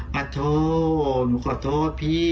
ขอโทษหนูขอโทษพี่